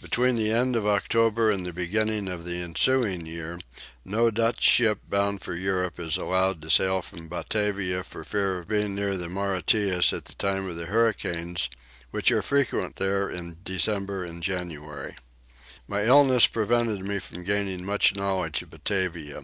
Between the end of October and the beginning of the ensuing year no Dutch ship bound for Europe is allowed to sail from Batavia for fear of being near the Mauritius at the time of the hurricanes which are frequent there in December and January. My illness prevented me from gaining much knowledge of Batavia.